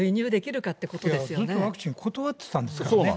ずっとワクチン断ってたんですからね。